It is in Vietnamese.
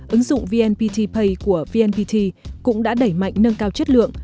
ứng dụng vnpt pay của vnpt cũng đã đẩy mạnh nâng cao chất lượng